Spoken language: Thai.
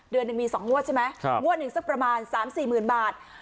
เดือนหนึ่งมี๒งวดใช่ไหมงวดหนึ่งสักประมาณ๓๔๐๐๐บาท